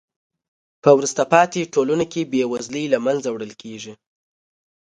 په وروسته پاتې ټولنو کې بې وزلۍ له منځه وړل کیږي.